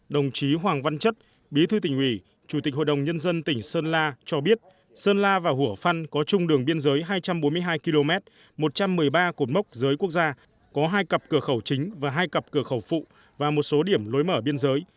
đồng chí hoàng văn chất bí thư tỉnh ủy chủ tịch hội đồng nhân dân tỉnh sơn la cho biết sơn la và hủa phăn có chung đường biên giới hai trăm bốn mươi hai km một trăm một mươi ba cột mốc giới quốc gia có hai cặp cửa khẩu chính và hai cặp cửa khẩu phụ và một số điểm lối mở biên giới